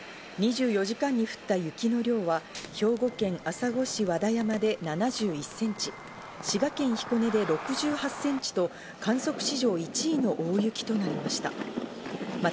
２４時間に降った雪の量は兵庫県朝来市和田山で７１センチ、滋賀県彦根で６８センチと観測史上１位の大雪となりました。